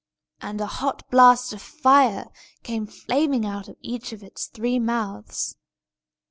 And a hot blast of fire came flaming out of each of its three mouths!